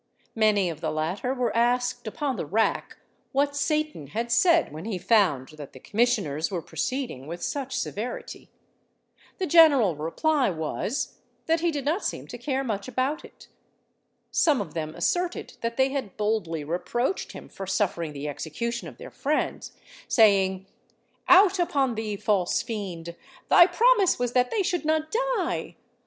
Many of the latter were asked upon the rack what Satan had said when he found that the commissioners were proceeding with such severity? The general reply was, that he did not seem to care much about it. Some of them asserted that they had boldly reproached him for suffering the execution of their friends, saying, "_Out upon thee, false fiend! thy promise was that they should not die!